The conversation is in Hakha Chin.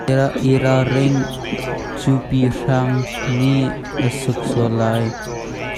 I ralring, cawpi hrang nih an suk sual lai.